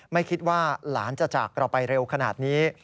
ไม่คิดว่าหลานจะจากเราไปเร็วขนาดนี้